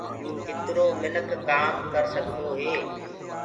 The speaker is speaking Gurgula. ڪِترو مِنک ڪآم ڪرسدوئي